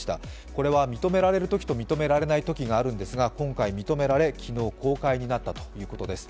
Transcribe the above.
これは認められるときと、認められないときがあるんですが、今回認められ、昨日公開になったということです。